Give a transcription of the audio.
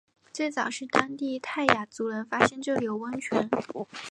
最早是当地泰雅族人发现这里有温泉。